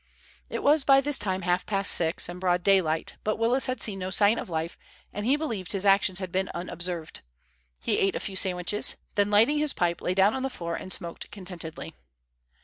It was by this time half past six and broad daylight, but Willis had seen no sign of life and he believed his actions had been unobserved. He ate a few sandwiches, then lighting his pipe, lay down on the floor and smoked contentedly.